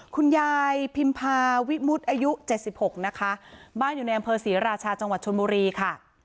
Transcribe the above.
คุณยายพิมพาวิมุติอายุ๗๖นะคะบ้านอยู่ในอำเภอศรีราชาจังหวัดชนบุรีค่ะ